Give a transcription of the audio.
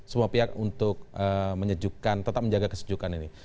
semua pihak untuk menyejukkan tetap menjaga kesejukan ini